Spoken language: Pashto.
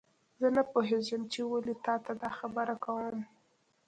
زه نه پوهیږم چې ولې تا ته دا خبره کوم